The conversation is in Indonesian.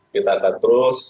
kita akan terus